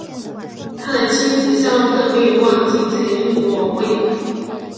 他的妻子夏洛特本有望继承英国王位。